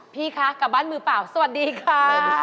พี่คะกลับบ้านมือเปล่าสวัสดีค่ะ